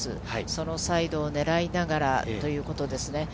そのサイドを狙いながらということですね。